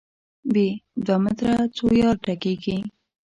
ب: دوه متره څو یارډه کېږي؟